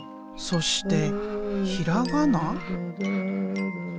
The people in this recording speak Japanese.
そしてひらがな？